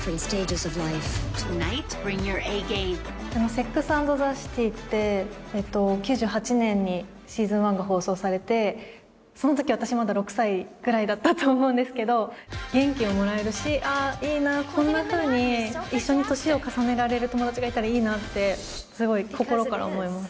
「セックス・アンド・ザ・シティ」って９８年にシーズン１が放送されてそのとき私まだ６歳くらいだったと思うんですけど元気をもらえるしああいいなこんなふうに一緒に年を重ねられる友達がいたらいいなってすごい心から思います